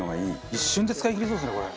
一瞬で使いきりそうですねこれ。